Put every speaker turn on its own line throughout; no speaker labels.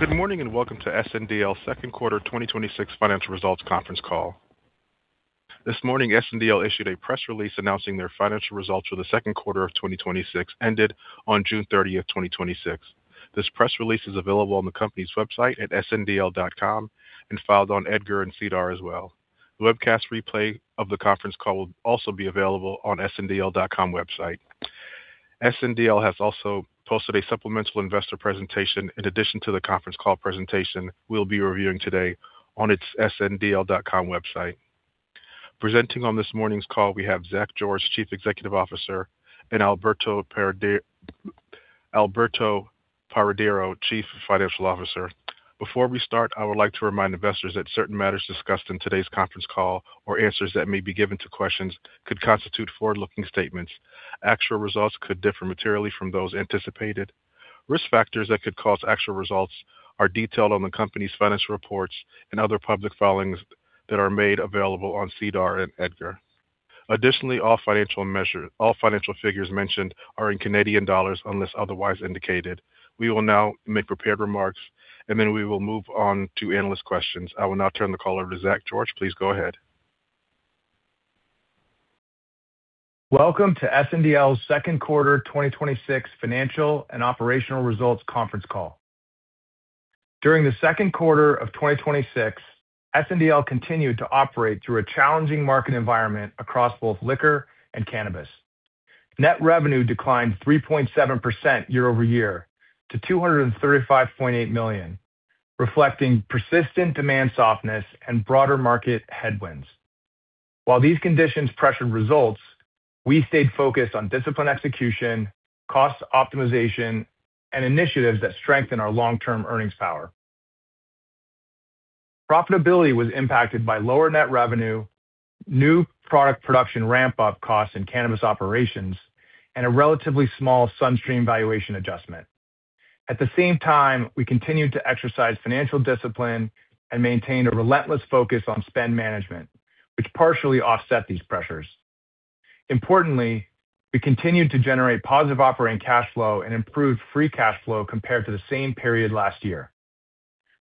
Good morning, and welcome to SNDL second quarter 2026 financial results conference call. This morning, SNDL issued a press release announcing their financial results for the second quarter of 2026 ended on June 30th, 2026. This press release is available on the company's website at sndl.com and filed on EDGAR and SEDAR as well. The webcast replay of the conference call will also be available on sndl.com website. SNDL has also posted a supplemental investor presentation in addition to the conference call presentation we will be reviewing today on its sndl.com website. Presenting on this morning's call, we have Zach George, Chief Executive Officer, and Alberto Paredero-Quiros, Chief Financial Officer. Before we start, I would like to remind investors that certain matters discussed in today's conference call or answers that may be given to questions could constitute forward-looking statements. Actual results could differ materially from those anticipated. Risk factors that could cause actual results are detailed on the company's financial reports and other public filings that are made available on SEDAR and EDGAR. Additionally, all financial figures mentioned are in Canadian dollars unless otherwise indicated. We will now make prepared remarks, then we will move on to analyst questions. I will now turn the call over to Zach George. Please go ahead.
Welcome to SNDL's second quarter 2026 financial and operational results conference call. During the second quarter of 2026, SNDL continued to operate through a challenging market environment across both liquor and cannabis. Net revenue declined 3.7% year-over-year to 235.8 million, reflecting persistent demand softness and broader market headwinds. While these conditions pressured results, we stayed focused on disciplined execution, cost optimization, and initiatives that strengthen our long-term earnings power. Profitability was impacted by lower net revenue, new product production ramp-up costs in Cannabis Operations, and a relatively small SunStream valuation adjustment. At the same time, we continued to exercise financial discipline and maintained a relentless focus on spend management, which partially offset these pressures. Importantly, we continued to generate positive operating cash flow and improved free cash flow compared to the same period last year.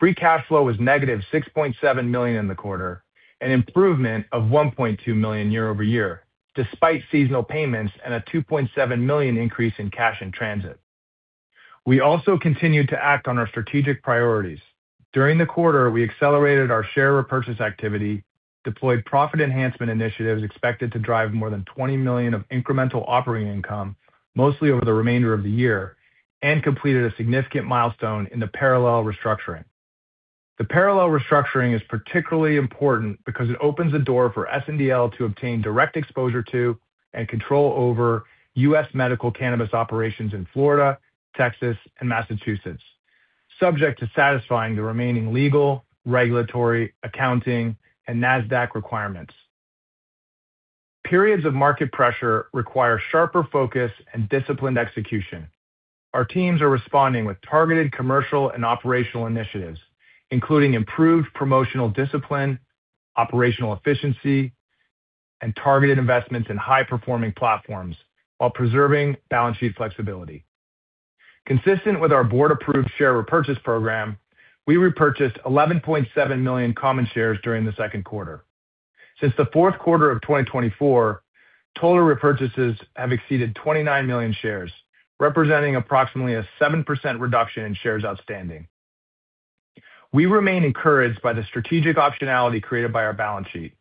Free cash flow was -6.7 million in the quarter, an improvement of 1.2 million year-over-year, despite seasonal payments and a 2.7 million increase in cash in transit. We also continued to act on our strategic priorities. During the quarter, we accelerated our share repurchase activity, deployed profit enhancement initiatives expected to drive more than 20 million of incremental operating income, mostly over the remainder of the year, and completed a significant milestone in the Parallel restructuring. The Parallel restructuring is particularly important because it opens the door for SNDL to obtain direct exposure to and control over U.S. medical cannabis operations in Florida, Texas, and Massachusetts, subject to satisfying the remaining legal, regulatory, accounting, and Nasdaq requirements. Periods of market pressure require sharper focus and disciplined execution. Our teams are responding with targeted commercial and operational initiatives, including improved promotional discipline, operational efficiency, and targeted investments in high-performing platforms while preserving balance sheet flexibility. Consistent with our board-approved share repurchase program, we repurchased 11.7 million common shares during the second quarter. Since the fourth quarter of 2024, total repurchases have exceeded 29 million shares, representing approximately a 7% reduction in shares outstanding. We remain encouraged by the strategic optionality created by our balance sheet.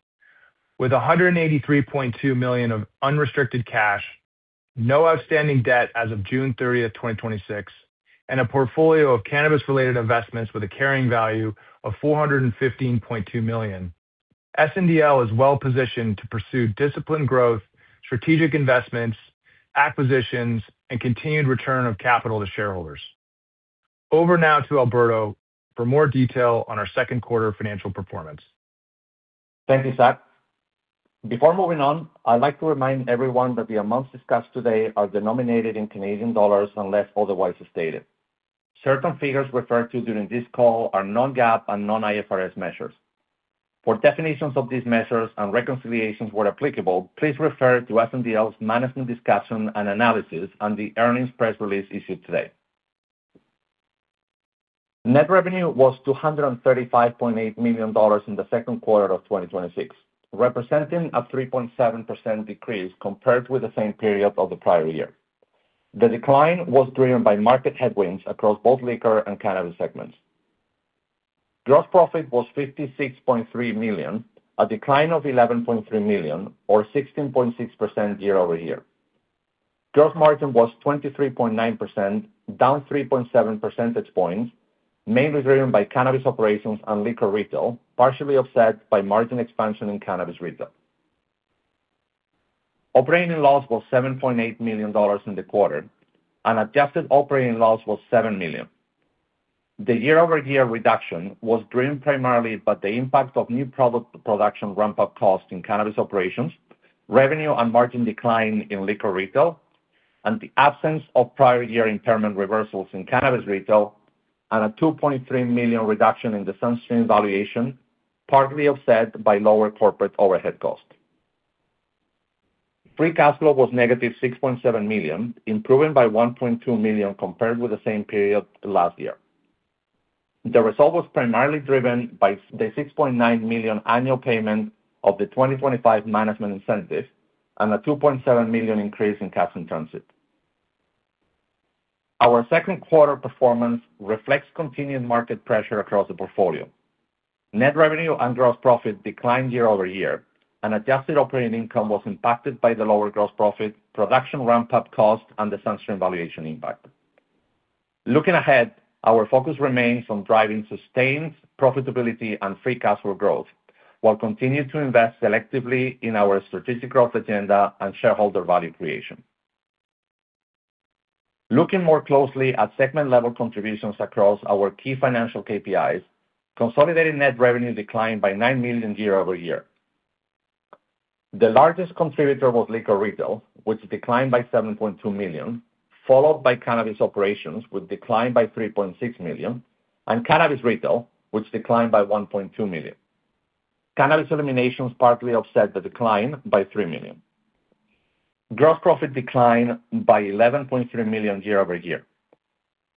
With 183.2 million of unrestricted cash, no outstanding debt as of June 30th, 2026, and a portfolio of cannabis-related investments with a carrying value of 415.2 million, SNDL is well-positioned to pursue disciplined growth, strategic investments, acquisitions, and continued return of capital to shareholders. Over now to Alberto for more detail on our second quarter financial performance.
Thank you, Zach. Before moving on, I'd like to remind everyone that the amounts discussed today are denominated in Canadian dollars unless otherwise stated. Certain figures referred to during this call are non-GAAP and non-IFRS measures. For definitions of these measures and reconciliations where applicable, please refer to SNDL's management discussion and analysis and the earnings press release issued today. Net revenue was 235.8 million dollars in the second quarter of 2026, representing a 3.7% decrease compared with the same period of the prior year. The decline was driven by market headwinds across both Liquor and Cannabis segments. Gross profit was 56.3 million, a decline of 11.3 million or 16.6% year-over-year. Gross margin was 23.9%, down 3.7 percentage points, mainly driven by Cannabis Operations and Liquor Retail, partially offset by margin expansion in Cannabis Retail. Operating loss was 7.8 million dollars in the quarter, adjusted operating loss was 7 million. The year-over-year reduction was driven primarily by the impact of new product production ramp-up costs in Cannabis Operations, revenue and margin decline in Liquor Retail, and the absence of prior year impairment reversals in Cannabis Retail and a 2.3 million reduction in the SunStream valuation, partly offset by lower corporate overhead cost. Free cash flow was -6.7 million, improving by 1.2 million compared with the same period last year. The result was primarily driven by the 6.9 million annual payment of the 2025 management incentives and a 2.7 million increase in cash and transit. Our second quarter performance reflects continued market pressure across the portfolio. Net revenue and gross profit declined year-over-year, adjusted operating income was impacted by the lower gross profit, production ramp-up cost, and the SunStream valuation impact. Looking ahead, our focus remains on driving sustained profitability and free cash flow growth, while continuing to invest selectively in our strategic growth agenda and shareholder value creation. Looking more closely at segment-level contributions across our key financial KPIs, consolidated net revenue declined by 9 million year-over-year. The largest contributor was Liquor Retail, which declined by 7.2 million, followed by Cannabis Operations, which declined by 3.6 million, and Cannabis Retail, which declined by 1.2 million. Cannabis eliminations partly offset the decline by 3 million. Gross profit declined by 11.3 million year-over-year.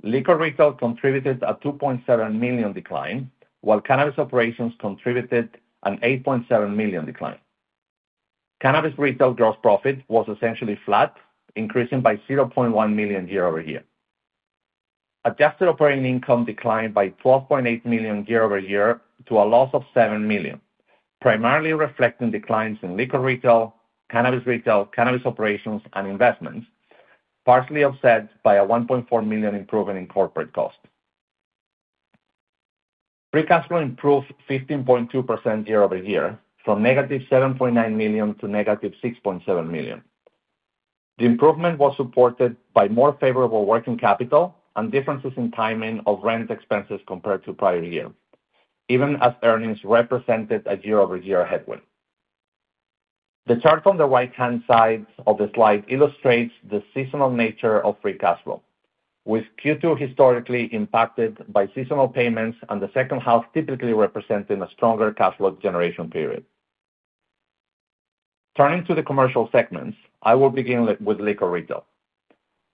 Liquor Retail contributed a 2.7 million decline, while Cannabis Operations contributed an 8.7 million decline. Cannabis Retail gross profit was essentially flat, increasing by 0.1 million year-over-year. Adjusted operating income declined by 12.8 million year-over-year to a loss of 7 million, primarily reflecting declines in Liquor Retail, Cannabis Retail, Cannabis Operations, and Investments, partially offset by a 1.4 million improvement in corporate cost. Free cash flow improved 15.2% year-over-year from -7.9 million to -6.7 million. The improvement was supported by more favorable working capital and differences in timing of rent expenses compared to prior year, even as earnings represented a year-over-year headwind. The chart on the right-hand side of the slide illustrates the seasonal nature of free cash flow, with Q2 historically impacted by seasonal payments and the second half typically representing a stronger cash flow generation period. Turning to the commercial segments, I will begin with Liquor Retail.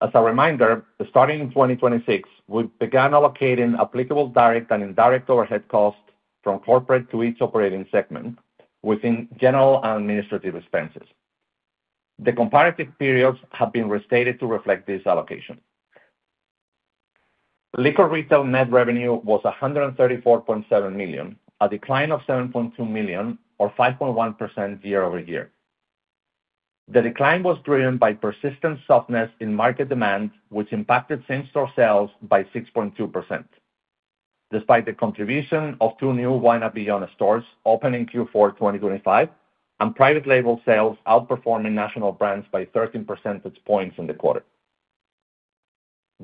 As a reminder, starting in 2026, we began allocating applicable direct and indirect overhead costs from corporate to each operating segment within general and administrative expenses. The comparative periods have been restated to reflect this allocation. Liquor Retail net revenue was 134.7 million, a decline of 7.2 million, or 5.1% year-over-year. The decline was driven by persistent softness in market demand, which impacted same-store sales by 6.2%. Despite the contribution of two new Wine and Beyond stores opening Q4 2025 and private label sales outperforming national brands by 13 percentage points in the quarter.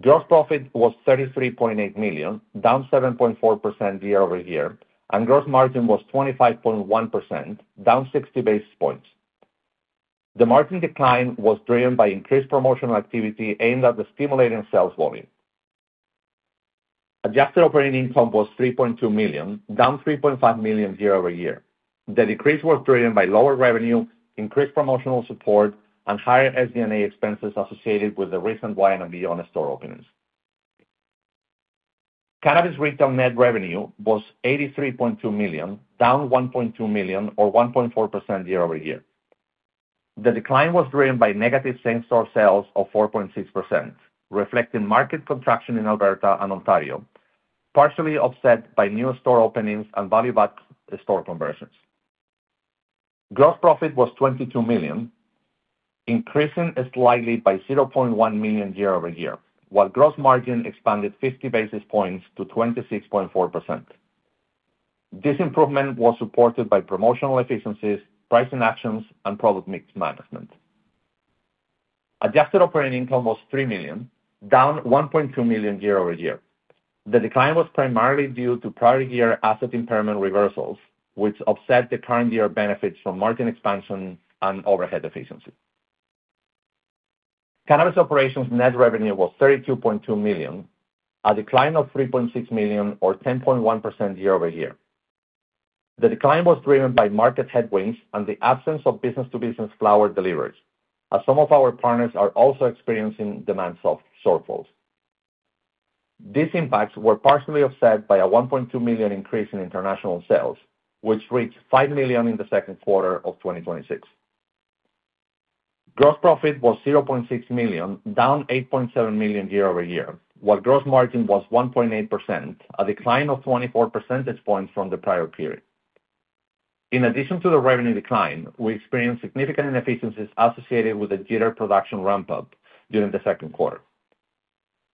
Gross profit was 33.8 million, down 7.4% year-over-year, and gross margin was 25.1%, down 60 basis points. The margin decline was driven by increased promotional activity aimed at stimulating sales volume. Adjusted operating income was 3.2 million, down 3.5 million year-over-year. The decrease was driven by lower revenue, increased promotional support, and higher SG&A expenses associated with the recent Wine and Beyond store openings. Cannabis Retail net revenue was 83.2 million, down 1.2 million, or 1.4% year-over-year. The decline was driven by negative same-store sales of 4.6%, reflecting market contraction in Alberta and Ontario, partially offset by new store openings and Value Buds store conversions. Gross profit was 22 million, increasing slightly by 0.1 million year-over-year, while gross margin expanded 50 basis points to 26.4%. This improvement was supported by promotional efficiencies, pricing actions, and product mix management. Adjusted operating income was 3 million, down 1.2 million year-over-year. The decline was primarily due to prior year asset impairment reversals, which offset the current year benefits from margin expansion and overhead efficiency. Cannabis Operations net revenue was 32.2 million, a decline of 3.6 million or 10.1% year-over-year. The decline was driven by market headwinds and the absence of business-to-business flower deliveries, as some of our partners are also experiencing demand shortfalls. These impacts were partially offset by a 1.2 million increase in international sales, which reached 5 million in the second quarter of 2026. Gross profit was 0.6 million, down 8.7 million year-over-year, while gross margin was 1.8%, a decline of 24 percentage points from the prior period. In addition to the revenue decline, we experienced significant inefficiencies associated with the Jeeter production ramp-up during the second quarter.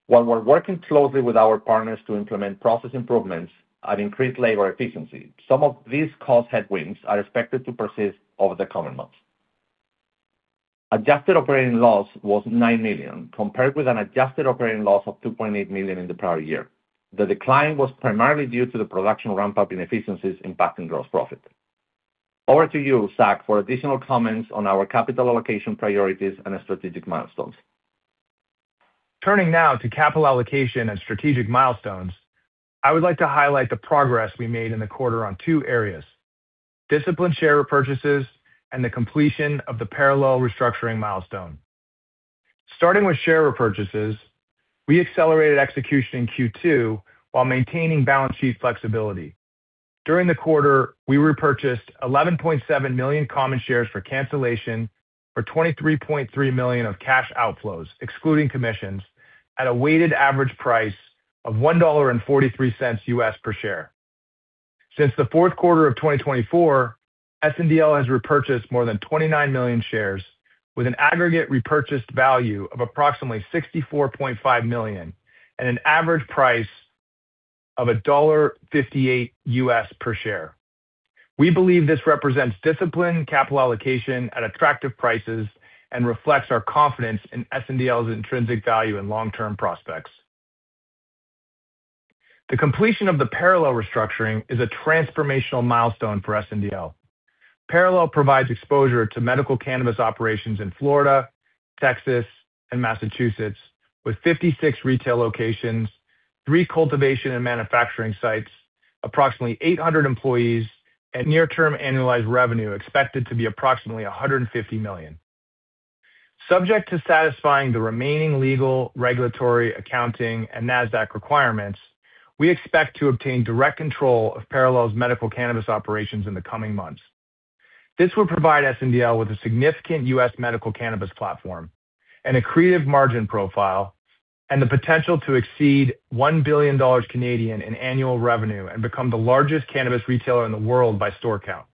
While we're working closely with our partners to implement process improvements and increase labor efficiency, some of these cost headwinds are expected to persist over the coming months. Adjusted operating loss was 9 million, compared with an adjusted operating loss of 2.8 million in the prior year. The decline was primarily due to the production ramp-up inefficiencies impacting gross profit. Over to you, Zach, for additional comments on our capital allocation priorities and strategic milestones.
Turning now to capital allocation and strategic milestones, I would like to highlight the progress we made in the quarter on two areas: disciplined share repurchases and the completion of the Parallel restructuring milestone. Starting with share repurchases, we accelerated execution in Q2 while maintaining balance sheet flexibility. During the quarter, we repurchased 11.7 million common shares for cancellation for 23.3 million of cash outflows, excluding commissions, at a weighted average price of $1.43 per share. Since the fourth quarter of 2024, SNDL has repurchased more than 29 million shares with an aggregate repurchased value of approximately 64.5 million at an average price of $1.58 per share. We believe this represents disciplined capital allocation at attractive prices and reflects our confidence in SNDL's intrinsic value and long-term prospects. The completion of the Parallel restructuring is a transformational milestone for SNDL. Parallel provides exposure to medical cannabis operations in Florida, Texas, and Massachusetts, with 56 retail locations, three cultivation and manufacturing sites, approximately 800 employees, and near-term annualized revenue expected to be approximately 150 million. Subject to satisfying the remaining legal, regulatory, accounting, and Nasdaq requirements, we expect to obtain direct control of Parallel's medical cannabis operations in the coming months. This will provide SNDL with a significant U.S. medical cannabis platform, an accretive margin profile, and the potential to exceed 1 billion Canadian dollars in annual revenue and become the largest cannabis retailer in the world by store count.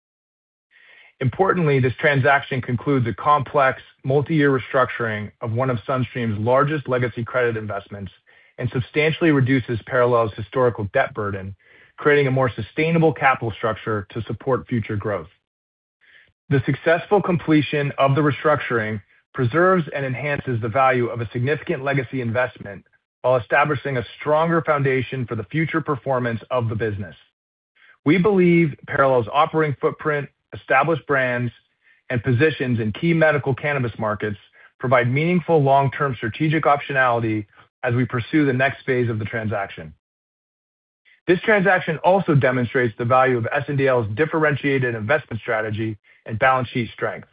Importantly, this transaction concludes a complex multi-year restructuring of one of SunStream's largest legacy credit investments and substantially reduces Parallel's historical debt burden, creating a more sustainable capital structure to support future growth. The successful completion of the restructuring preserves and enhances the value of a significant legacy investment while establishing a stronger foundation for the future performance of the business. We believe Parallel's operating footprint, established brands, and positions in key medical cannabis markets provide meaningful long-term strategic optionality as we pursue the next phase of the transaction. This transaction also demonstrates the value of SNDL's differentiated investment strategy and balance sheet strength.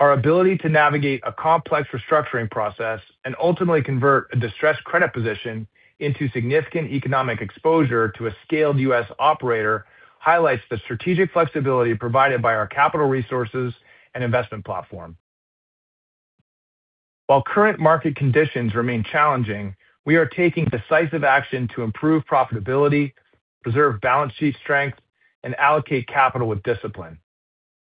Our ability to navigate a complex restructuring process and ultimately convert a distressed credit position into significant economic exposure to a scaled U.S. operator highlights the strategic flexibility provided by our capital resources and investment platform. While current market conditions remain challenging, we are taking decisive action to improve profitability, preserve balance sheet strength, and allocate capital with discipline.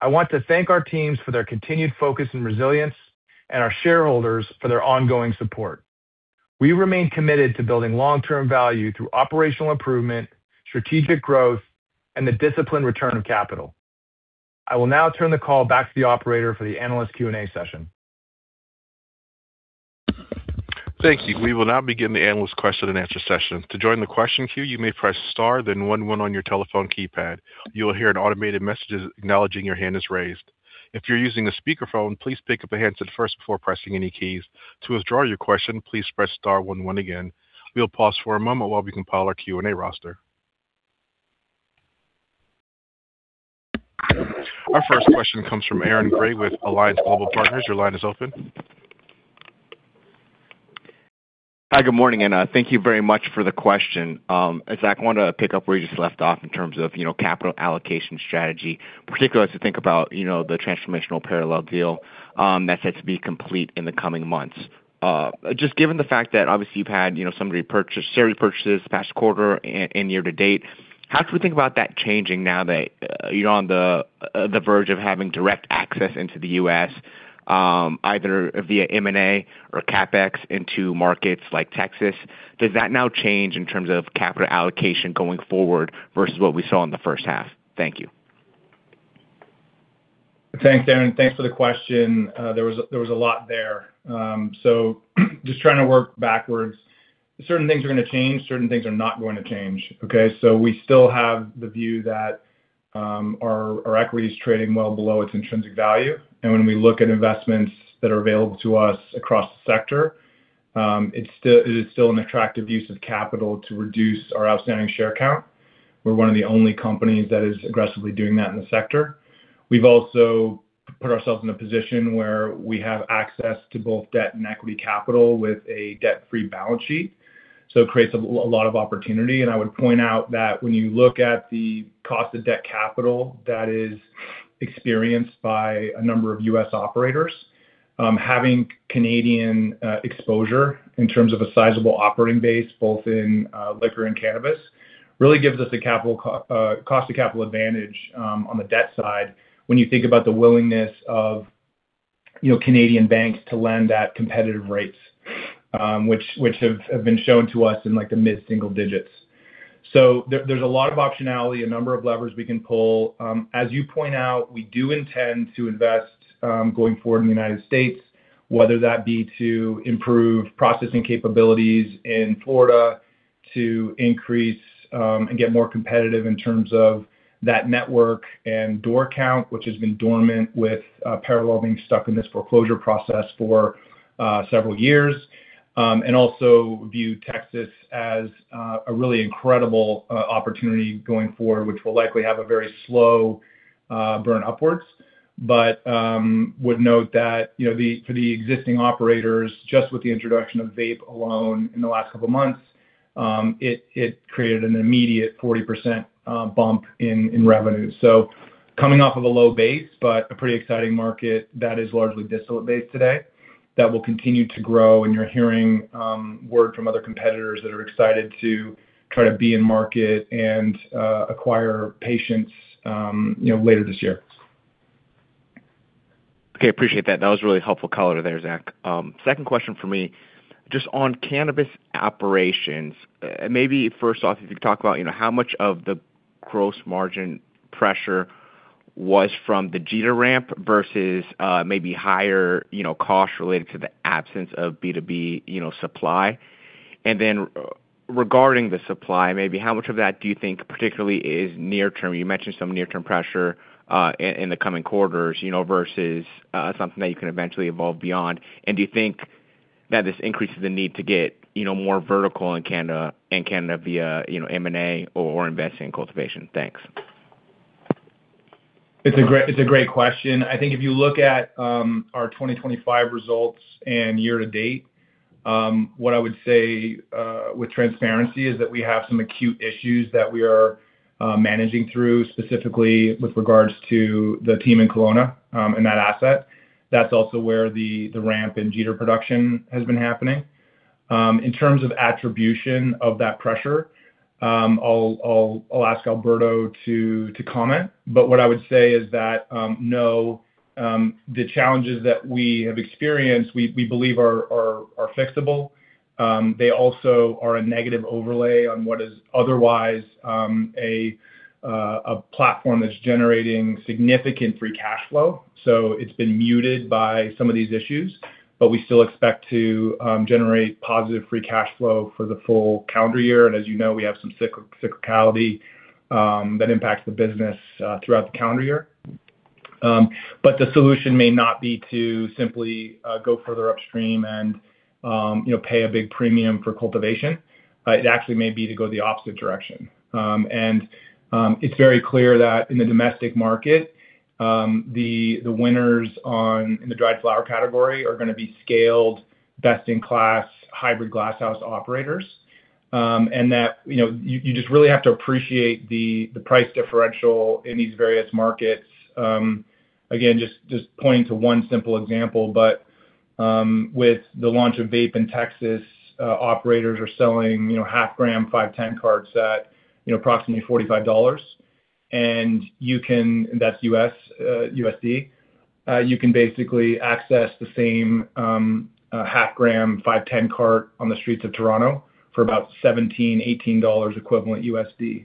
I want to thank our teams for their continued focus and resilience and our shareholders for their ongoing support. We remain committed to building long-term value through operational improvement, strategic growth, and the disciplined return of capital. I will now turn the call back to the operator for the analyst Q&A session.
Thank you. We will now begin the analyst question and answer session. To join the question queue, you may press star then one on your telephone keypad. You will hear an automated message acknowledging your hand is raised. If you're using a speakerphone, please pick up a handset first before pressing any keys. To withdraw your question, please press star one again. We will pause for a moment while we compile our Q&A roster. Our first question comes from Aaron Grey with Alliance Global Partners. Your line is open.
Hi, good morning, thank you very much for the question. Zach, I wanted to pick up where you just left off in terms of capital allocation strategy, particularly as we think about the transformational Parallel deal that's set to be complete in the coming months. Just given the fact that obviously you've had some repurchases this past quarter and year to date, how should we think about that changing now that you're on the verge of having direct access into the U.S., either via M&A or CapEx into markets like Texas? Does that now change in terms of capital allocation going forward versus what we saw in the first half? Thank you.
Thanks, Aaron. Thanks for the question. There was a lot there. Just trying to work backwards. Certain things are going to change, certain things are not going to change. Okay? We still have the view that our equity is trading well below its intrinsic value, and when we look at investments that are available to us across the sector, it is still an attractive use of capital to reduce our outstanding share count. We're one of the only companies that is aggressively doing that in the sector. We've also put ourselves in a position where we have access to both debt and equity capital with a debt-free balance sheet, so it creates a lot of opportunity. I would point out that when you look at the cost of debt capital that is experienced by a number of U.S. operators, having Canadian exposure in terms of a sizable operating base both in liquor and cannabis really gives us a cost of capital advantage on the debt side when you think about the willingness of Canadian banks to lend at competitive rates, which have been shown to us in the mid-single digits. There's a lot of optionality, a number of levers we can pull. As you point out, we do intend to invest going forward in the U.S., whether that be to improve processing capabilities in Florida to increase and get more competitive in terms of that network and door count, which has been dormant with Parallel being stuck in this foreclosure process for several years. Also view Texas as a really incredible opportunity going forward, which will likely have a very slow burn upwards. Would note that for the existing operators, just with the introduction of vape alone in the last couple of months, it created an immediate 40% bump in revenue. Coming off of a low base, but a pretty exciting market that is largely distillate-based today, that will continue to grow. You're hearing word from other competitors that are excited to try to be in market and acquire patients later this year.
Okay. Appreciate that. That was a really helpful color there, Zach. Second question for me, just on Cannabis Operations. Maybe first off, if you could talk about how much of the gross margin pressure was from the Jeeter ramp versus maybe higher cost related to the absence of B2B supply. Then regarding the supply, maybe how much of that do you think particularly is near term? You mentioned some near-term pressure in the coming quarters versus something that you can eventually evolve beyond. Do you think that this increases the need to get more vertical in Canada via M&A or investing in cultivation? Thanks.
It's a great question. I think if you look at our 2025 results and year to date, what I would say with transparency is that we have some acute issues that we are managing through, specifically with regards to the team in Kelowna, and that asset. That's also where the ramp in Jeeter production has been happening. In terms of attribution of that pressure, I'll ask Alberto to comment. What I would say is that, no, the challenges that we have experienced, we believe, are fixable. They also are a negative overlay on what is otherwise a platform that's generating significant free cash flow. It's been muted by some of these issues, but we still expect to generate positive free cash flow for the full calendar year. As you know, we have some cyclicality that impacts the business throughout the calendar year. The solution may not be to simply go further upstream and pay a big premium for cultivation. It actually may be to go the opposite direction. It's very clear that in the domestic market, the winners in the dried flower category are going to be scaled, best-in-class hybrid glasshouse operators. That you just really have to appreciate the price differential in these various markets. Just pointing to one simple example, with the launch of vape in Texas, operators are selling half-gram 510 carts at approximately $45, and that's USD. You can basically access the same half-gram 510 cart on the streets of Toronto for about $17, $18 equivalent. The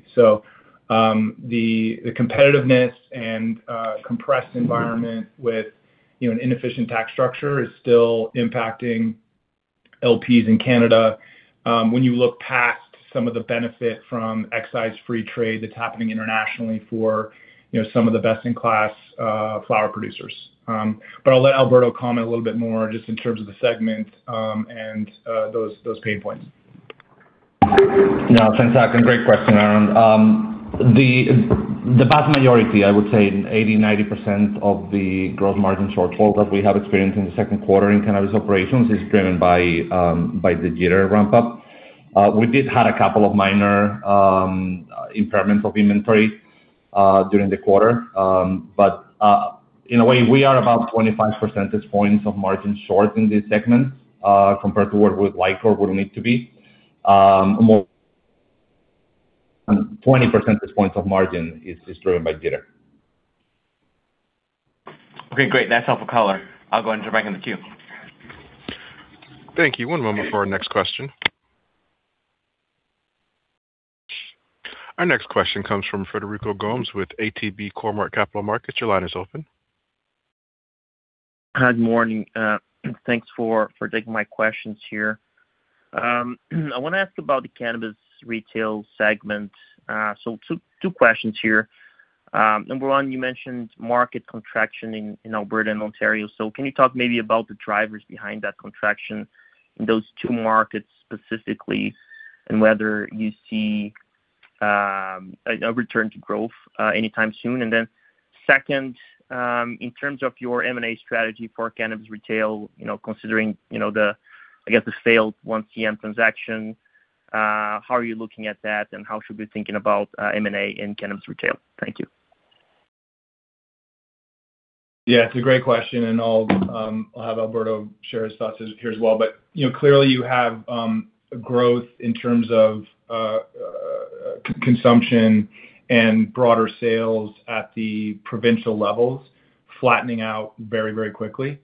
competitiveness and compressed environment with an inefficient tax structure is still impacting LPs in Canada. When you look past some of the benefit from excise-free trade that's happening internationally for some of the best-in-class flower producers. I'll let Alberto comment a little bit more just in terms of the segment and those pain points.
Yeah. Thanks, Zach, and great question, Aaron. The vast majority, I would say 80%, 90% of the gross margin shortfall that we have experienced in the second quarter in Cannabis Operations is driven by the Jeeter ramp-up. We did have a couple of minor impairments of inventory during the quarter. In a way, we are about 25 percentage points of margin short in this segment compared to what we would like or would need to be; 20 percentage points of margin is driven by Jeeter.
Okay, great. That's helpful, color. I'll go and jump back in the queue.
Thank you. One moment for our next question. Our next question comes from Frederico Gomes with ATB Cormark Capital Markets. Your line is open.
Good morning. Thanks for taking my questions here. I want to ask about the Cannabis Retail segment. Two questions here. Number one, you mentioned market contraction in Alberta and Ontario. Can you talk maybe about the drivers behind that contraction in those two markets specifically, and whether you see a return to growth anytime soon? Second, in terms of your M&A strategy for Cannabis Retail, considering the, I guess, the failed 1CM transaction, how are you looking at that, and how should we be thinking about M&A in Cannabis Retail? Thank you.
Yeah, it's a great question, and I'll have Alberto share his thoughts here as well. Clearly you have growth in terms of consumption and broader sales at the provincial levels flattening out very quickly.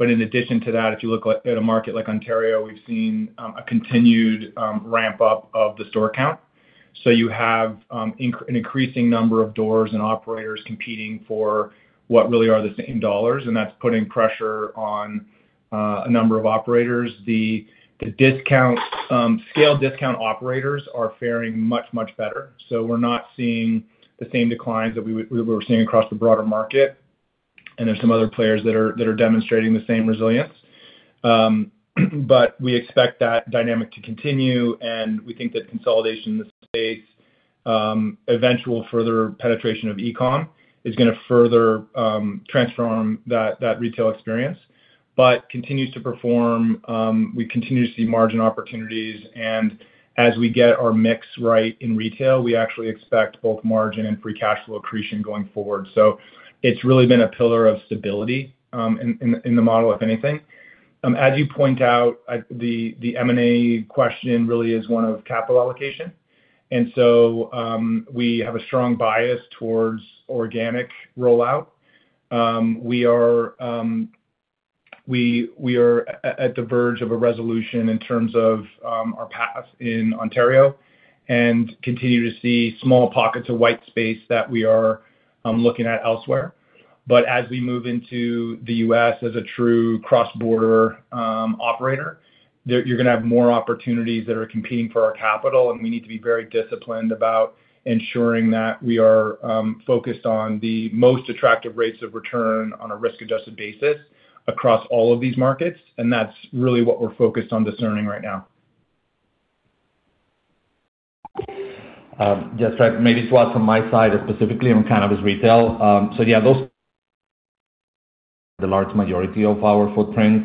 In addition to that, if you look at a market like Ontario, we've seen a continued ramp-up of the store count. You have an increasing number of doors and operators competing for what really are the same dollars, and that's putting pressure on a number of operators. The scale discount operators are faring much, much better. We're not seeing the same declines that we were seeing across the broader market, and there are some other players that are demonstrating the same resilience. We expect that dynamic to continue, and we think that consolidation in the space, eventual further penetration of e-com is going to further transform that retail experience, but continues to perform. We continue to see margin opportunities, and as we get our mix right in retail, we actually expect both margin and free cash flow accretion going forward. It's really been a pillar of stability in the model, if anything. As you point out, the M&A question really is one of capital allocation. We have a strong bias towards organic rollout. We are at the verge of a resolution in terms of our path in Ontario and continue to see small pockets of white space that we are looking at elsewhere. As we move into the U.S. as a true cross-border operator, you're going to have more opportunities that are competing for our capital, and we need to be very disciplined about ensuring that we are focused on the most attractive rates of return on a risk-adjusted basis across all of these markets, and that's really what we're focused on discerning right now.
Yes. Maybe to add from my side, specifically on Cannabis Retail. The large majority of our footprint,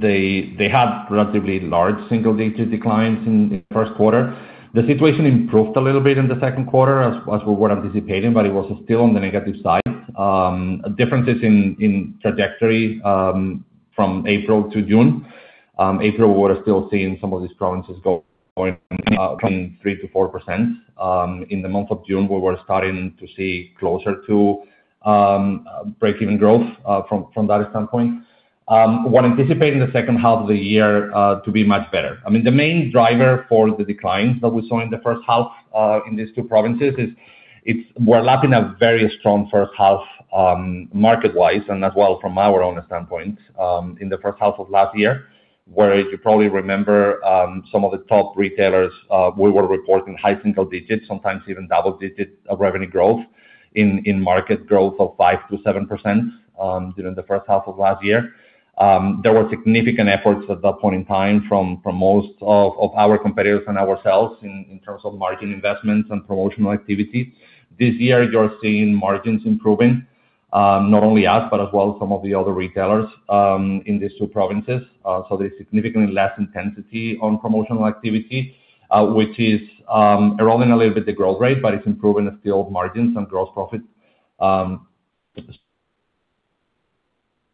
they had relatively large single-digit declines in the first quarter. The situation improved a little bit in the second quarter as we were anticipating, but it was still on the negative side. Differences in trajectory from April to June. April, we're still seeing some of these provinces going between 3%-4%. In the month of June, we were starting to see closer to break-even growth from that standpoint. We're anticipating the second half of the year to be much better. I mean, the main driver for the declines that we saw in the first half in these two provinces is we're lapping a very strong first half, market-wise, and as well from our own standpoint, in the first half of last year, where as you probably remember some of the top retailers, we were reporting high single digits, sometimes even double digits of revenue growth in market growth of 5%-7% during the first half of last year. There were significant efforts at that point in time from most of our competitors and ourselves in terms of margin investments and promotional activities. This year you're seeing margins improving. Not only us, but as well some of the other retailers in these two provinces. There's significantly less intensity on promotional activity, which is eroding a little bit the growth rate, but it's improving still margins and gross profit.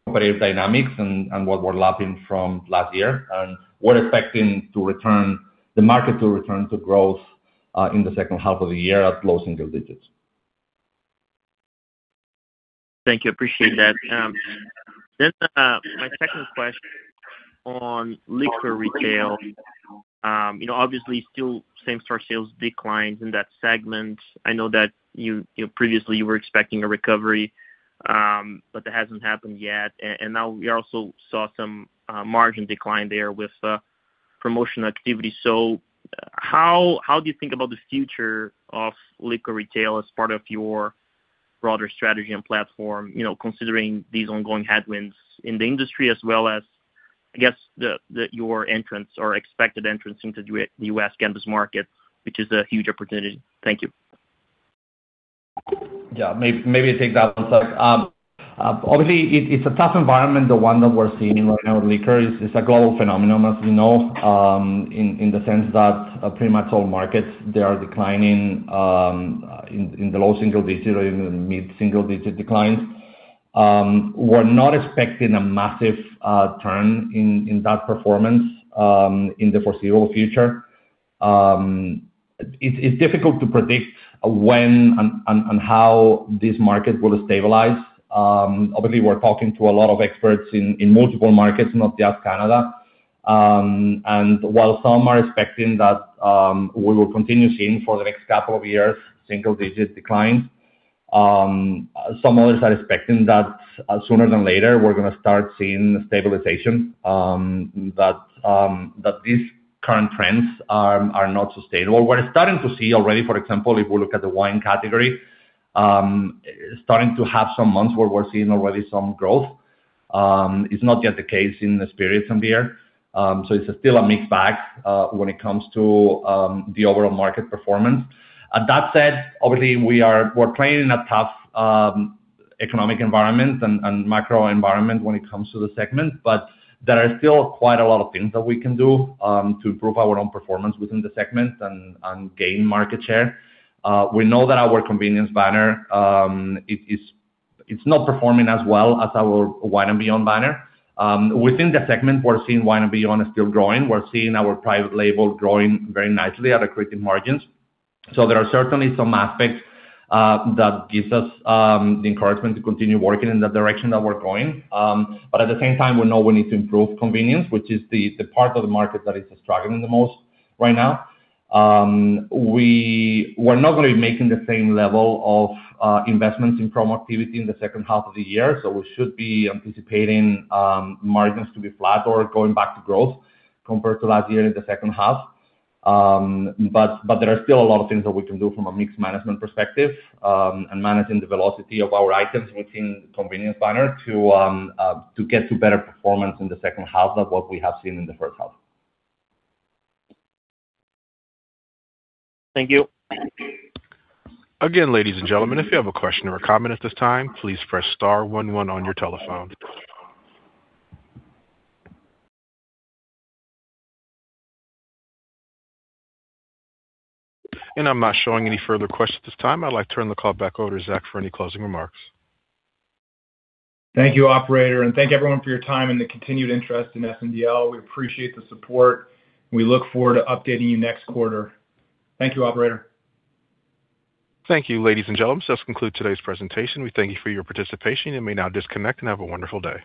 Competitive dynamics and what we're lapping from last year, and we're expecting the market to return to growth in the second half of the year at low single digits.
Thank you. I appreciate that. My second question on Liquor Retail. Obviously still same-store sales declines in that segment. I know that previously you were expecting a recovery, that hasn't happened yet. Now we also saw some margin decline there with promotional activity. How do you think about the future of Liquor Retail as part of your broader strategy and platform, considering these ongoing headwinds in the industry as well as, I guess, your entrance or expected entrance into the U.S. cannabis market, which is a huge opportunity? Thank you.
Maybe I take that one, Zach. Obviously, it's a tough environment, the one that we're seeing right now with liquor. It's a global phenomenon, as we know, in the sense that pretty much all markets, they are declining in the low single digits or even mid-single digit declines. We're not expecting a massive turn in that performance in the foreseeable future. It's difficult to predict when and how these markets will stabilize. Obviously, we're talking to a lot of experts in multiple markets, not just Canada. While some are expecting that we will continue seeing for the next couple of years single-digit declines, some others are expecting that sooner than later we're going to start seeing stabilization, that these current trends are not sustainable. We're starting to see already, for example, if we look at the wine category, starting to have some months where we're seeing already some growth. It's not yet the case in the spirits and beer. It's still a mixed bag when it comes to the overall market performance. That said, obviously we're playing in a tough economic environment and macro environment when it comes to the segment, there are still quite a lot of things that we can do to improve our own performance within the segment and gain market share. We know that our convenience banner, it's not performing as well as our Wine and Beyond banner. Within the segment, we're seeing Wine and Beyond is still growing. We're seeing our private label growing very nicely at accretive margins. There are certainly some aspects that gives us the encouragement to continue working in the direction that we're going. At the same time, we know we need to improve convenience, which is the part of the market that is struggling the most right now. We're not going to be making the same level of investments in promo activity in the second half of the year, we should be anticipating margins to be flat or going back to growth compared to last year in the second half. There are still a lot of things that we can do from a mixed management perspective, and managing the velocity of our items within the convenience banner to get to better performance in the second half than what we have seen in the first half.
Thank you.
Again, ladies and gentlemen, if you have a question or a comment at this time, please press star one one on your telephone. I'm not showing any further questions at this time. I'd like to turn the call back over to Zach for any closing remarks.
Thank you, operator, and thank you everyone for your time and the continued interest in SNDL. We appreciate the support, and we look forward to updating you next quarter. Thank you, operator.
Thank you, ladies and gentlemen. This concludes today's presentation. We thank you for your participation. You may now disconnect, and have a wonderful day.